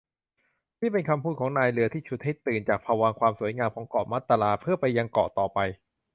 นี่เป็นคำพูดของนายเรือที่ฉุดให้ตื่นจากภวังค์ความสวยงามของเกาะมัตรา เพื่อไปยังเกาะต่อไป